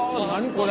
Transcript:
これ！